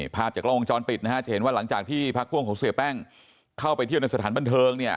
ภาพจากกล้องวงจรปิดนะฮะจะเห็นว่าหลังจากที่พักพ่วงของเสียแป้งเข้าไปเที่ยวในสถานบันเทิงเนี่ย